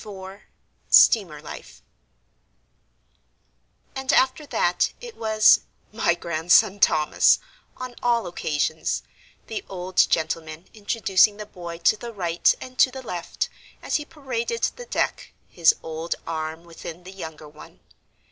IV STEAMER LIFE And after that, it was "My grandson, Thomas," on all occasions, the old gentleman introducing the boy to the right and to the left, as he paraded the deck, his old arm within the younger one.